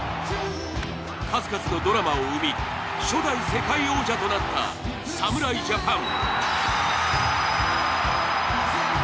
数々のドラマを生み、初代世界王者となった侍ジャパン。